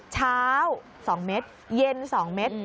เช้า๒เม็ดเย็น๒เม็ด